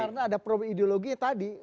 karena ada problem ideologi tadi